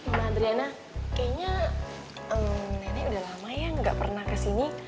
mbak adriana kayaknya nenek udah lama ya nggak pernah kesini